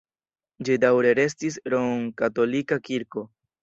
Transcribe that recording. Ĝi daŭre restis romkatolika kirko.